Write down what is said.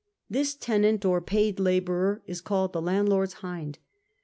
This tenant or paid labourer is called the landlord's hind.